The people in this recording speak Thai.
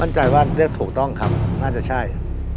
มั่นใจว่าเลือกถูกต้องครับน่าจะใช่